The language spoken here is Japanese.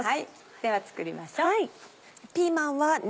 では作りましょう。